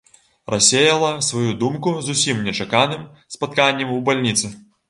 Рассеяла сваю думку зусім нечаканым спатканнем у бальніцы.